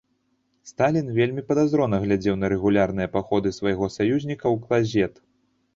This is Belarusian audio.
Сталін вельмі падазрона глядзеў на рэгулярныя паходы свайго саюзніка ў клазет.